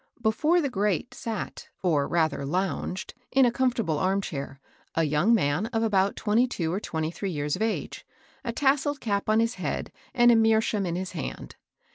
Before the grate sat, or rather lounged, in a comfortable arm chair, a young man of about twenty two or twenty three years of age, a tas selled cap on his head, and a meerschaum in his hand.